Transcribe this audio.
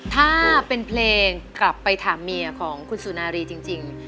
ถ้าเป็นเพลงกลับไปถามเมียของคุณสุนารีจริง